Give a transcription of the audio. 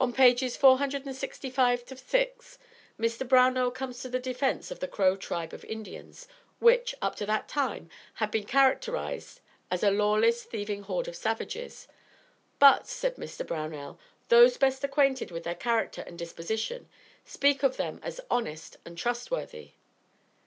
On pages 465 6, Mr. Brownell comes to the defence of the Crow tribe of Indians, which, up to that time, had been characterized as a "lawless, thieving horde of savages." "But," says Mr. Brownell, "those best acquainted with their character and disposition, speak of them as honest and trustworthy."